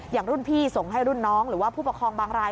อย่างรุ่นพี่ส่งให้รุ่นน้องหรือว่าผู้ปกครองบางราย